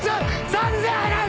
３，０００円払う。